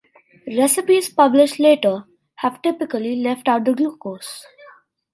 Recipes published later have typically left out the glucose.